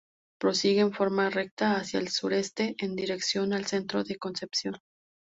Prosigue en forma recta hacia el sureste, en dirección al centro de Concepción.